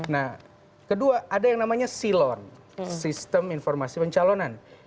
nah kedua ada yang namanya silon sistem informasi pencalonan